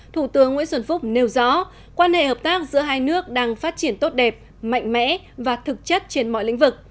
thủ tướng nguyễn xuân phúc nêu rõ quan hệ hợp tác giữa hai nước đang phát triển tốt đẹp mạnh mẽ và thực chất trên mọi lĩnh vực